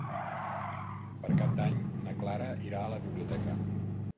Per Cap d'Any na Clara irà a la biblioteca.